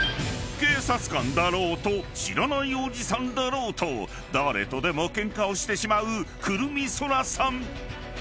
［警察官だろうと知らないおじさんだろうと誰とでも喧嘩をしてしまう胡桃そらさん］